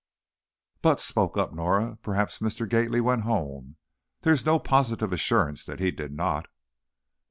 "But," spoke up Norah, "perhaps Mr. Gately went home. There is no positive assurance that he did not."